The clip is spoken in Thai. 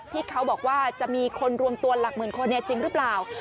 ที่เขาบอกว่าจะมีคนรวมตัวหลักหมื่นคนจริงหรือเปล่า